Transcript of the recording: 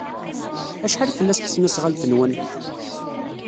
Acḥal fell-as tesnasɣalt-nwen?